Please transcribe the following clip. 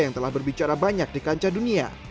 yang telah berbicara banyak di kancah dunia